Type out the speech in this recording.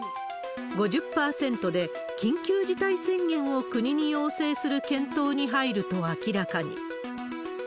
５０％で緊急事態宣言を国に要請する検討に入ると明らかに。